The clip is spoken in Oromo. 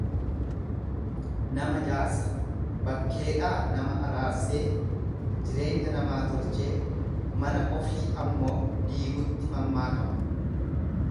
Nama jaarsa bakkeedhaa nama araarsee jireenya namaa tolchee mana ofii ammoo diigutti mammaakama.